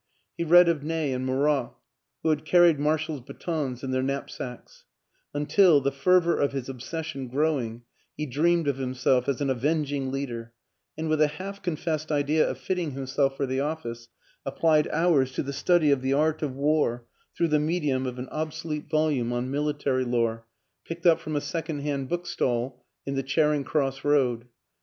He read of Ney and Murat, who had carried marshals' batons in their knap sacks until, the fervor of his obsession growing, he dreamed of himself as an avenging leader, and, with a half confessed idea of fitting himself for the office, applied hours to the study of the art of war through the medium of an obsolete volume on military lore picked up from a second hand bookstall in the Charing Cross Road.